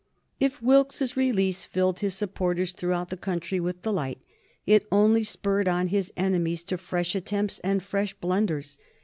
If Wilkes's release filled his supporters throughout the country with delight, it only spurred on his enemies to fresh attempts and fresh blunders.